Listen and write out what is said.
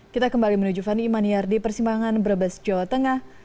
kita kembali menuju fani imani yardi persimbangan brebes jawa tengah